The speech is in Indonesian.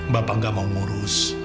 bapak gak mau ngurus